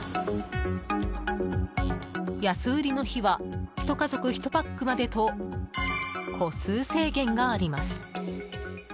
安売りの日は１家族１パックまでと個数制限があります。